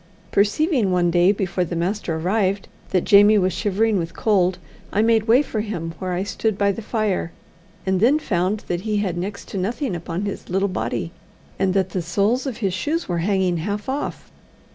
Perceiving one day, before the master arrived, that Jamie was shivering with cold, I made way for him where I stood by the fire; and then found that he had next to nothing upon his little body, and that the soles of his shoes were hanging half off.